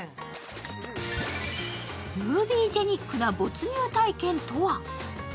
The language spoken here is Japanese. ムービージェニックな没入体験とは。